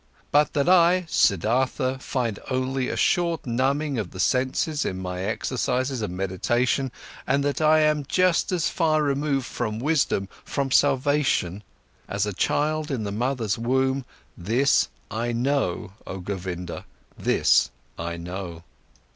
But that I, Siddhartha, find only a short numbing of the senses in my exercises and meditations and that I am just as far removed from wisdom, from salvation, as a child in the mother's womb, this I know, oh Govinda, this I know."